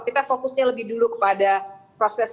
kita fokusnya lebih dulu kepada proses